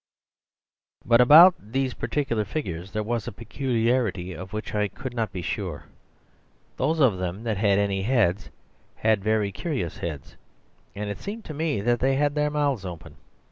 ..... But about these particular figures there was a peculiarity of which I could not be sure. Those of them that had any heads had very curious heads, and it seemed to me that they had their mouths open.